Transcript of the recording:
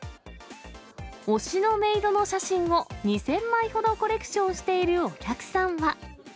推しのメイドの写真を２０００枚ほどコレクションしているお客さんは。